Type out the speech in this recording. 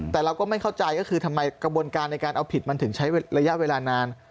แต่เราก็ไม่เข้าใจก็คือทำไมกระบวนการในการเอาผิดมันถึงใช้ระยะเวลานาน